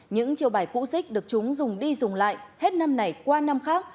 những chiều bài cũ dích được chúng dùng đi dùng lại hết năm này qua năm khác